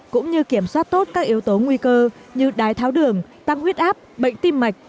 cũng như kiểm soát tốt các yếu tố nguy cơ như đái tháo đường tăng huyết áp bệnh tim mạch